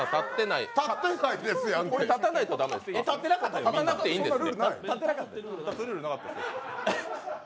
これ立たなくてもいいんですね？